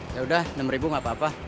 ya udah rp enam gapapa